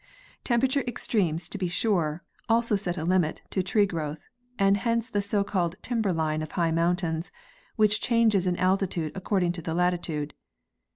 Temperature extremes, to be sure, also set a limit to tree growth, and hence the socalled timber line of high mountains, which changes in altitude according to the latitude.